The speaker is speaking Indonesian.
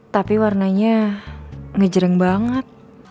tapi warnanya ngejreng banget